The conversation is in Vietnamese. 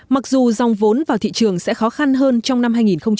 mặc dù dòng vốn vào thị trường sẽ khó khăn hơn trong năm hai nghìn một mươi chín